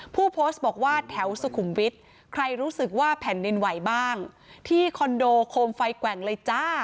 ผู้โพสต์บอกว่าแถวสุขุมวิทย์ใครรู้สึกว่าแผ่นดินไหวบ้างที่คอนโดโคมไฟแกว่งเลยจ้า